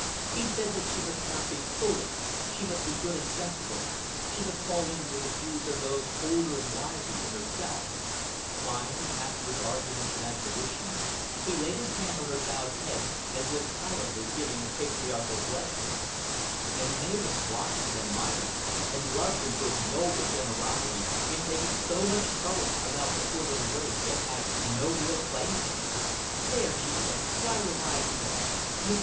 He said that she must not be "fullish," she must be "good and sensible," she must fall in with the views of those "older and wiser" than herself; finally, after his arguments and admonitions, he laid his hand on her bowed head as if silently giving a patriarchal blessing; and Mavis watched and admired, and loved him for his noble generosity in taking so much trouble about the poor little waif that had no real claim on him. "There," she said, "dry your eyes, Norah. Mr.